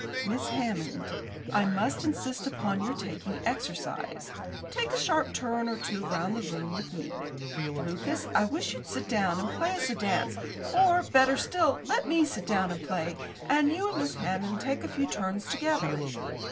"Miss Hammond, I must insist upon your taking exercise. Take a sharp turn or two round the room with me. Lucas, I wish you'd sit down and play us a dance. Or, better still, let me sit down and play, and you and Miss Hammond take a few turns together.